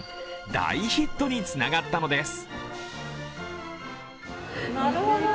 大ヒットにつながったのです。